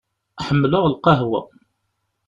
Ḥemmleɣ lqahwa.